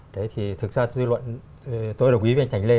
đấy thì thực ra dư luận tôi đồng ý với anh thành lê